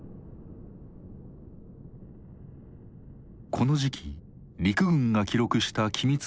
この時期陸軍が記録した機密日誌。